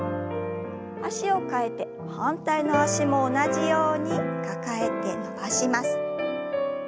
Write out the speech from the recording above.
脚を替えて反対の脚も同じように抱えて伸ばします。